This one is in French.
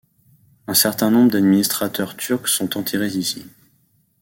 Un certain nombre d'administrateurs turcs sont enterrés ici.